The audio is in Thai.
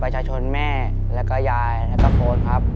ตัวเลือดที่๓ม้าลายกับนกแก้วมาคอ